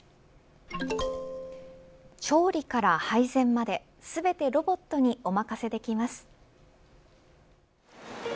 調理から配膳まで全てロボットにお任せできます。